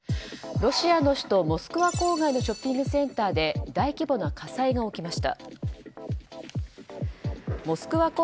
ロシアの首都モスクワ郊外のショッピングセンターで大規模な火災が起きました。